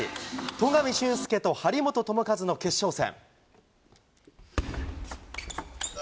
戸上隼輔と張本智和の決勝戦。